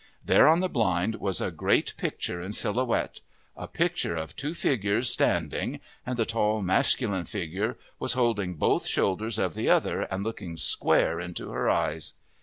There on the blind was a great picture in silhouette a picture of two figures standing, and the tall, masculine figure was holding both shoulders of the other and looking square into her eyes.